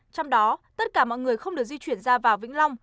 trong đó tất cả mọi người không được di chuyển ra vào vĩnh long